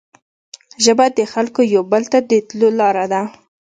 ژبه د خلګو یو بل ته د تلو لاره ده